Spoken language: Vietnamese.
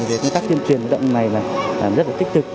về tương tác tiêm truyền đậm này là rất là tích cực